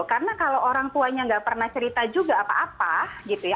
karena kalau orang tuanya nggak pernah cerita juga apa apa gitu ya